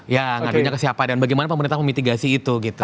ya ngadunya ke siapa dan bagaimana pemerintah memitigasi itu gitu